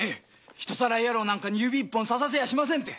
人さらい野郎なんかに指一本ささせやしませんって。